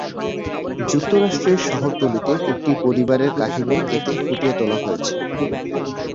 যুক্তরাষ্ট্রের শহরতলীর একটি পরিবারের কাহিনী এতে ফুটিয়ে তোলা হয়েছে।